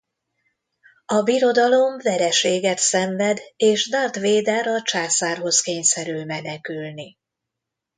A Birodalom vereséget szenved és Darth Vader a Császárhoz kényszerül menekülni.